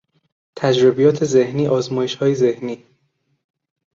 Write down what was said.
تجربیات ذهنی، آزمایشهای ذهنی